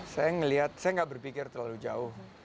saya melihat saya nggak berpikir terlalu jauh